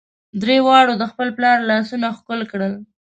درې واړو د خپل پلار لاسونه ښکل کړل.